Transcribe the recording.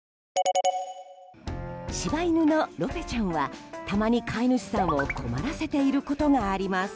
柴犬のロペちゃんはたまに、飼い主さんを困らせていることがあります。